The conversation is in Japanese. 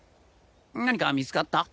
何か見つかった？